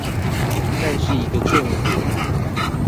但是一個政府